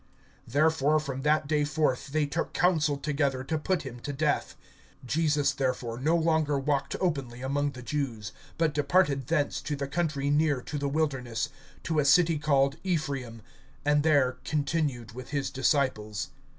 (53)Therefore from that day forth they took counsel together to put him to death. (54)Jesus therefore no longer walked openly among the Jews; but departed thence to the country near to the wilderness, to a city called Ephraim, and there continued with his disciples.